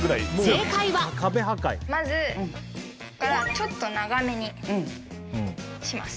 まずこっからちょっと長めにします。